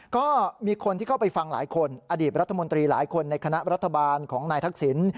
ก็มีคนที่เข้าไปฟังหลายคนอดีตรัฐมนตรีหลายคนในคณะรัฐบาลของนายทักษิณ